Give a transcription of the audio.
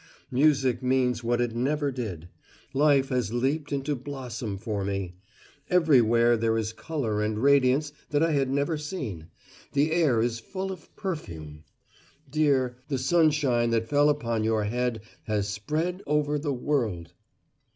Music means what it never did: Life has leaped into blossom for me. Everywhere there is colour and radiance that I had never seen the air is full of perfume. Dear, the sunshine that fell upon your head has spread over the world!